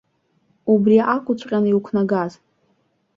Убри акәыҵәҟьан иуқәнагоз!